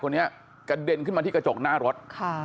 คนนี้กระเด็นขึ้นมาที่กระจกหน้ารถ